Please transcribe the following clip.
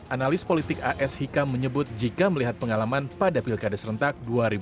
analis politik as hikam menyebut jika melihat pengalaman pada pilkada serentak dua ribu delapan belas